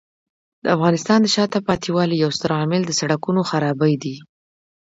د افغانستان د شاته پاتې والي یو ستر عامل د سړکونو خرابۍ دی.